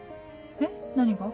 えっ何が？